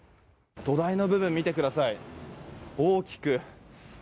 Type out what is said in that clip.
土台の部分、見てください。